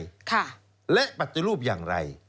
ค่ะและปฏิรูปอย่างไร